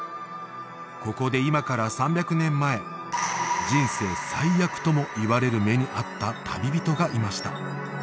ここで今から３００年前人生最悪ともいわれる目に遭った旅人がいました